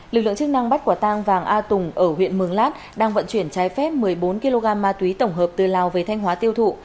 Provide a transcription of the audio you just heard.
lực lượng chức năng bắt quả tang vàng a tùng ở huyện mường lát đang vận chuyển trái phép một mươi bốn kg ma túy tổng hợp từ lào về thanh hóa tiêu thụ